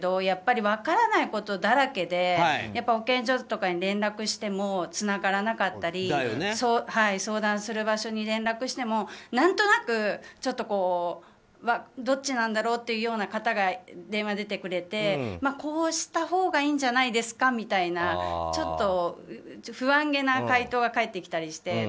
やっぱり分からないことだらけで保健所とかに連絡してもつながらなかったり相談する場所に連絡しても何となく、ちょっとどっちなんだろうっていうような方が電話でてくれて、こうしたほうがいいんじゃないんですかみたいなちょっと不安げな回答が返ってきたりして。